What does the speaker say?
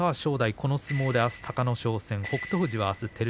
この相撲であす隆の勝戦。